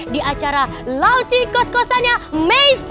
di acara lauci kos kosannya maisy